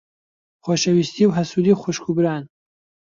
خۆشەویستی و حەسوودی خوشک و بران.